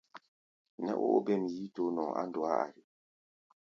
Nɛ́ ó óbêm yíítoó nɔʼɔ á ndɔá ari.